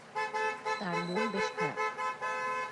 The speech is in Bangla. তাঁর মন বেশ খারাপ।